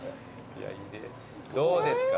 どうですか？